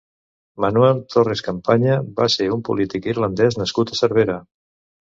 Manuel Torres Campaña va ser un polític irlandès nascut a Cervera.